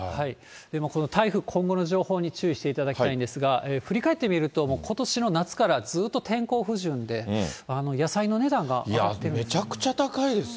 この台風、今後の情報に注意していただきたいんですが、振り返ってみると、ことしの夏から、ずっと天候不順で、野菜のお値段が上がってるんです。